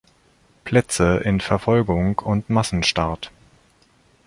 Plätze in Verfolgung und Massenstart.